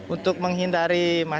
untuk menghindari masalah